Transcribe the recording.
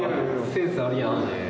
センスあるやん。